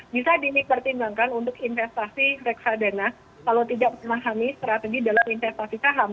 bisa dipertimbangkan untuk investasi reksadana kalau tidak memahami strategi dalam investasi saham